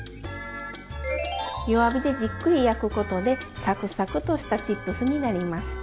弱火でじっくり焼くことでサクサクとしたチップスになります。